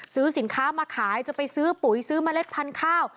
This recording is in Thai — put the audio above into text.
ซื้อสินค้ามาขายจะไปซื้อปุ๋ยซื้อเมล็ดพันธุ์ข้าว